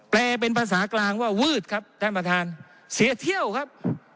แปลเป็นภาษากลางว่าวืดครับท่านประธานเสียเที่ยวครับ